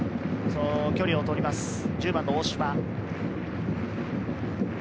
距離を取ります。